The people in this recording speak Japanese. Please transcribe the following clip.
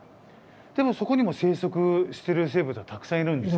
でもそこにも生息してる生物はたくさんいるんですよね。